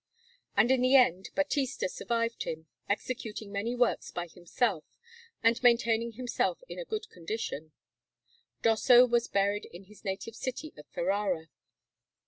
And in the end Battista survived him, executing many works by himself, and maintaining himself in a good condition. Dosso was buried in his native city of Ferrara.